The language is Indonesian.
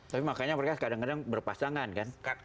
tapi makanya mereka kadang kadang berpasangan kan